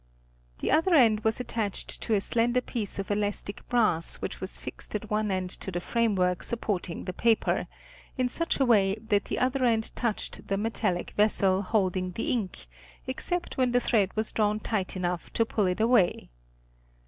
The other end was attached to a slender piece of elastic brass which was fixed at one end to the framework supporting the paper, in such a way that the other end touched the metallic vessel holding the ink, except when the thread was drawn tight enough to pull it away.